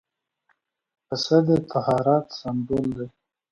پسه د طهارت سمبول دی.